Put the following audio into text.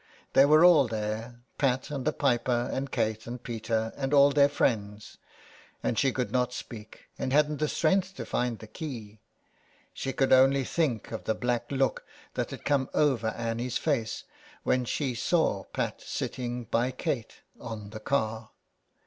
They were all there, Pat and the piper and Kate and Peter and all their friends ; and she could not speak, and hadn't the strength to find the key. She could only think of the black look that had come over Annie's face when she saw Pat sitting by Kate on the car.